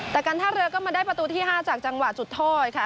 แต่การท่าเรือก็มาได้ประตูที่๕จากจังหวะจุดโทษค่ะ